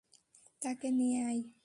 তাকে নিয়ে আয়।